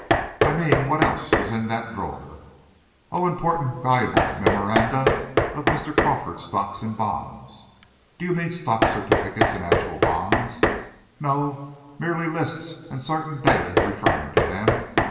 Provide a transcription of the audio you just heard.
"I mean, what else was in that drawer?" "Oh, important, valuable memoranda of Mr. Crawford's stocks and bonds." "Do you mean stock certificates and actual bonds?" "No; merely lists and certain data referring to them.